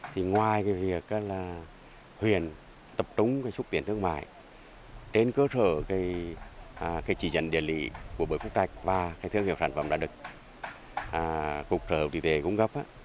thì ngoài cái việc là huyền tập trung cái xúc tiến thương mại đến cơ sở cái chỉ dân địa lị của bưởi phúc trạch và cái thương hiệu sản phẩm đã được cục sở thủy tế cung cấp